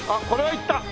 いった！？